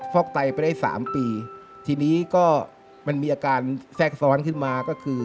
อกไตไปได้สามปีทีนี้ก็มันมีอาการแทรกซ้อนขึ้นมาก็คือ